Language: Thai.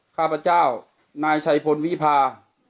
ข้าพเจ้านายชัยพลวิพา